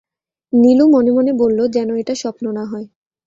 নীলু মনে-মনে বলল-যেন এটা স্বপ্ন না হয়।